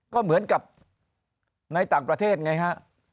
ก็เหมือนกับในต่างประเทศไงฮะ